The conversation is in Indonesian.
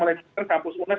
melecehkan kampus unhas